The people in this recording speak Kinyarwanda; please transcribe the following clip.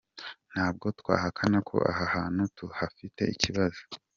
Ntabwo twahakana ko aho hantu tuhafite ikibazo.